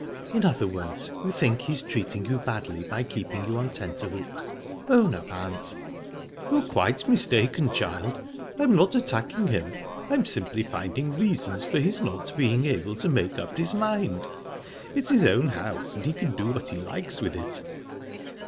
"In other words, you think he's treating you badly by keeping you on tenterhooks. Own up, aunt!" "You're quite mistaken, child. I'm not attacking him. I'm simply finding reasons for his not being able to make up his mind. It's his own house, and he can do what he likes with it."...